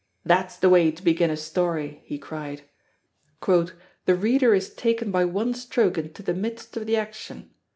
"That's the way to begin a story!" he cried. "The reader is taken by one stroke into the midst of the action.